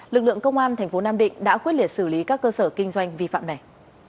lực lượng công an tp nam định đã quyết liệt xử lý các cơ sở kinh doanh vi phạm này